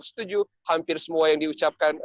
setuju hampir semua yang diucapkan